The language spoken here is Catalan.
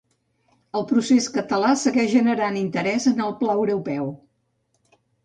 El procés català segueix generant interès en el pla europeu.